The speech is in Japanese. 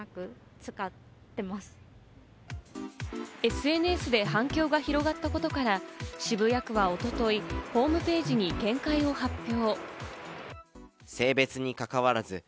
ＳＮＳで反響が広がったことから、渋谷区は一昨日、ホームページに見解を発表。